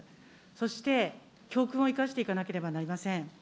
そして、教訓を生かしていかなければなりません。